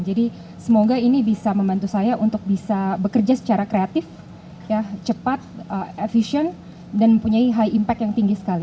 jadi semoga ini bisa membantu saya untuk bisa bekerja secara kreatif cepat efisien dan mempunyai high impact yang tinggi sekali